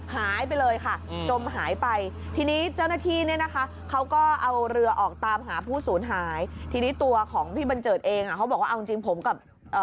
หายไปเลยค่ะจมหายไปทีนี้เจ้าหน้าที่เนี่ยนะคะเขาก็เอาเรือออกตามหาผู้สูญหายทีนี้ตัวของพี่บันเจิดเองอ่ะเขาบอกว่าเอาจริงจริงผมกับเอ่อ